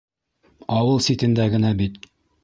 Ауыл ситендә генә бит.